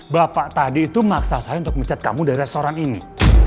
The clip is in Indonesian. bapak tadi itu maksa saya untuk mecat kamu dari restoran ini